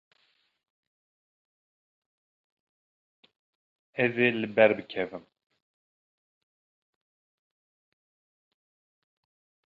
Ez ê li ber bikevim.